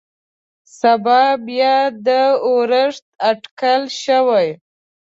سبا بيا د اورښت اټکل شوى.